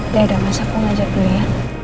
udah ada masa aku ngajak dulu ya